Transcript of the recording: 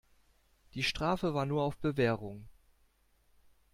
Die Strafe war nur auf Bewährung.